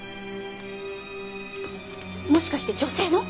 もしかして女性の？